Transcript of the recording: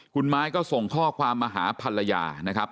คุณไม้ก็ส่งข้อความมาหาภรรยานะครับ